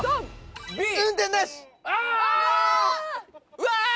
うわ！